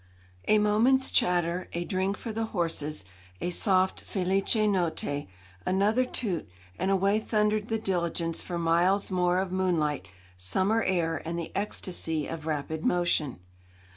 A moment's chatter, a drink for the horses, a soft 'Felice notte,' another toot, and away thundered the diligence for miles more of moonlight, summer air, and the ecstasy of rapid motion.